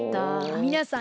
みなさん